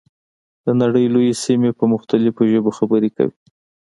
د نړۍ لویې سیمې په مختلفو ژبو خبرې کوي.